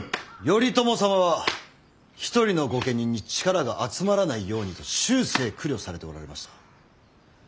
頼朝様は一人の御家人に力が集まらないようにと終生苦慮されておられました。